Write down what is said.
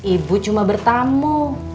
ibu cuma bertamu